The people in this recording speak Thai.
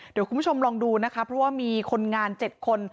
เดี๋ยวคุณผู้ชมลองดูนะคะเพราะว่ามีคนงาน๗คน